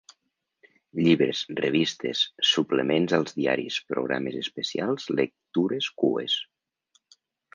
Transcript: Llibres revistes suplements als diaris programes especials lectures cues.